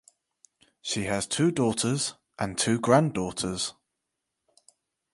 She has two daughters and two granddaughters.